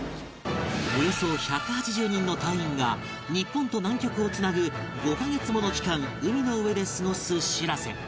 およそ１８０人の隊員が日本と南極を繋ぐ５カ月もの期間海の上で過ごす「しらせ」